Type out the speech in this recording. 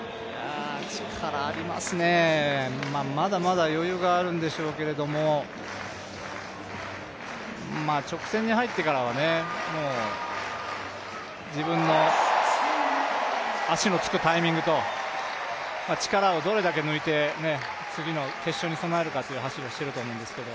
力がありますね、まだまだ余裕があるんでしょうけれども直線に入ってからは自分の足のつくタイミングと力をどれだけ抜いて次の決勝に備えるかという走りをしていると思うんですが。